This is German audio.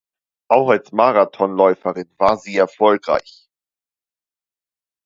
Auch als Marathonläuferin war sie erfolgreich.